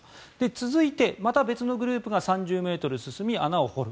続いて、また別のグループがまた３０ｍ進み、穴を掘る。